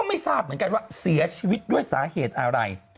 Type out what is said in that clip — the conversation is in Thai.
ไม่ทราบเหมือนกันว่าเสียชีวิตด้วยสาเหตุอะไร